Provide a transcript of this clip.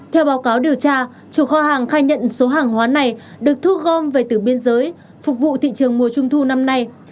theo báo cáo điều tra chủ kho hàng khai nhận số hàng hóa này được thu gom về từ biên giới phục vụ thị trường mùa trung thu năm nay